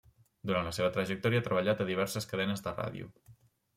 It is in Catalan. Durant la seva trajectòria ha treballat a diverses cadenes de ràdio.